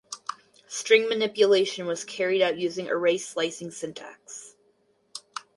String manipulation was carried out using array slicing syntax.